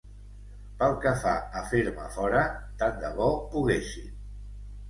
Pel que fa a fer-me fora, tan de bo poguessin!